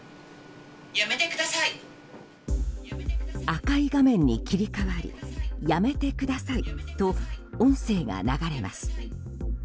赤い画面に切り替わりやめてくださいと音声が流れます。